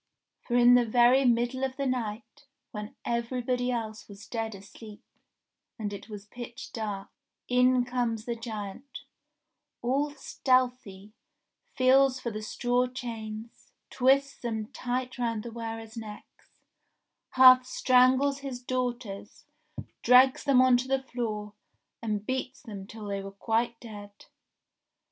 For in the very z 338 ENGLISH FAIRY TALES middle of the night, when everybody else was dead asleep, and it was pitch dark, in comes the giant, all stealthy, feels for the straw chains, twists them tight round the wearers* necks, half strangles his daughters, drags them on to the floor, and beats them till they were quite dead.